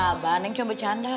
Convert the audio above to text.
enggak abah neng cuma bercanda